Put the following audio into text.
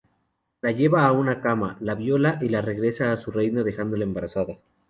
La lleva a una cama, la viola y regresa a su reino, dejándola embarazada.